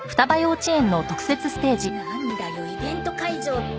なんだよイベント会場って。